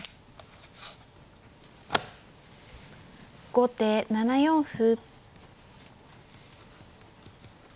後手７四歩。